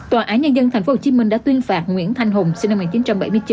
tòa án nhân dân tp hcm đã tuyên phạt nguyễn thanh hùng sinh năm một nghìn chín trăm bảy mươi chín